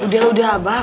udah udah abah